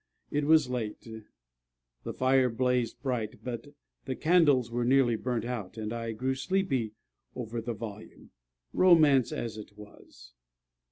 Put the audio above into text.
It was late. The fire blazed bright; but the candles were nearly burnt out, and I grew sleepy over the volume, romance as it was.